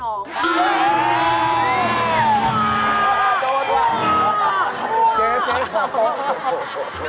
โคตรหัว